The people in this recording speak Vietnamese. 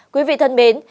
quý vị thân mến